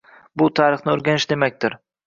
Bu – tarixni o‘rganish demakdir.